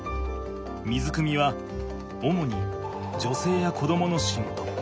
水くみは主に女性や子どもの仕事。